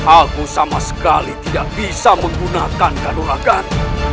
aku sama sekali tidak bisa menggunakan gadur agar